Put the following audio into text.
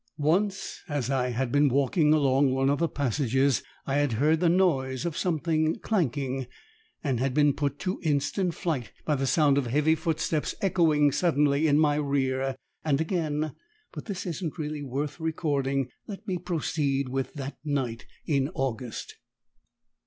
Once, as I had been walking along one of the passages, I had heard the noise of something clanking, and had been put to instant flight by the sound of heavy footsteps echoing suddenly in my rear, and again but this isn't really worth recording; let me proceed with that night in August.